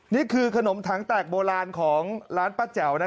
นี่คือขนมถังแตกโบราณของร้านป้าแจ๋ว